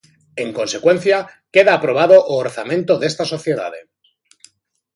En consecuencia, queda aprobado o orzamento desta sociedade.